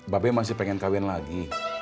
babe masih pengen kawin lagi